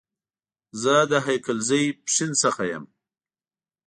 زه د هيکلزئ ، پښين سخه يم